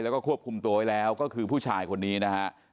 แล้วก็ควบคุมตัวไว้แล้วก็คือผู้ชายคนนี้นะฮะ